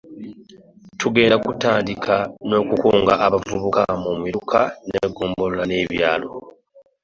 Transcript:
Tugenda kutandika n'okukunga abavubuka mu miruka n'eggombolola n'ebyalo